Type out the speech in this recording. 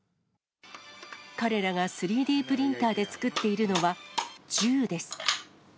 彼らが３Ｄプリンターで作っているのは、銃です。